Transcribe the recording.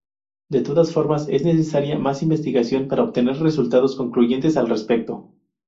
De todas formas, es necesaria más investigación para obtener resultados concluyentes al respecto.